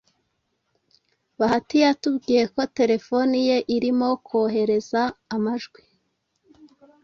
bahati yatubwiye ko telefone ye irimo kohereza amajwi